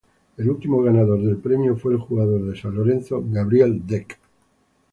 El último ganador del premio fue el jugador de San Lorenzo, Gabriel Deck.